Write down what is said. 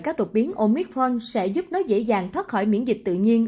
các đột biến omicron sẽ giúp nó dễ dàng thoát khỏi miễn dịch tự nhiên